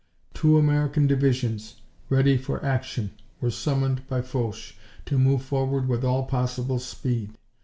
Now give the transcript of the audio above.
Two American divisions, ready for action, were summoned by Foch to move forward with all possible speed.